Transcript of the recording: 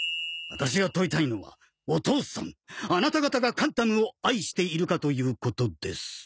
ワタシが間いたいのはお父さんあなた方がカンタムを愛しているかということです。